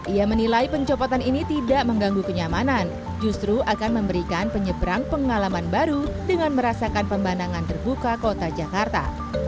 ia menilai pencopotan ini tidak mengganggu kenyamanan justru akan memberikan penyeberang pengalaman baru dengan merasakan pembanangan terbuka kota jakarta